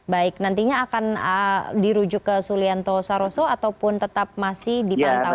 baik nantinya akan dirujuk ke sulianto saroso ataupun tetap masih dipantau